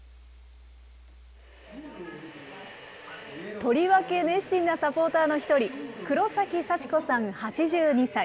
とりわけ熱心なサポーターの１人、黒崎幸子さん８２歳。